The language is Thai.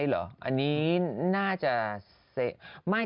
เหรออันนี้น่าจะไม่